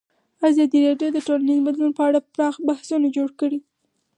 ازادي راډیو د ټولنیز بدلون په اړه پراخ بحثونه جوړ کړي.